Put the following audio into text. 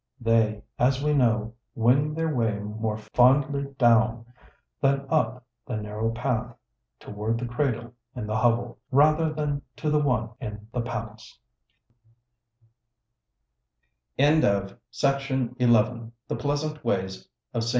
They, as we know, wing their way more fondly down than up the narrow path, toward the cradle in the hovel, rather than to the one in the palace. THE PLEASANT WAYS OF ST.